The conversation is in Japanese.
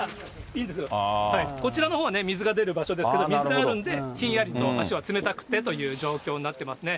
こちらのほうは水が出る場所ですけれども、水があるんで、ひんやりと足は冷たくてという状況になっていますね。